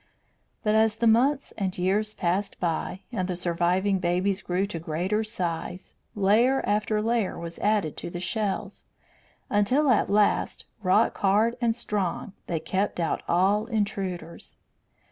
But as the months and years passed by, and the surviving babies grew to greater size, layer after layer was added to the shells, until at last, rock hard and strong, they kept out all intruders.